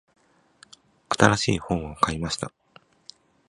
新しい本を買いました。